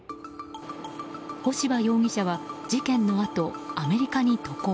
干場容疑者は事件のあとアメリカに渡航。